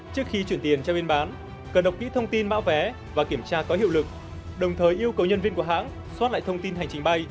trước khi chuyển tiền cho bên bán cần đọc kỹ thông tin bão vé và kiểm tra có hiệu lực đồng thời yêu cầu nhân viên của hãng xoát lại thông tin hành trình bay